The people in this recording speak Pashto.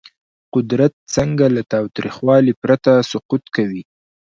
قدرت څنګه له تاوتریخوالي پرته سقوط کوي؟